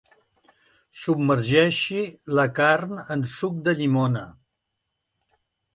Submergeixi la carn en suc de llimona.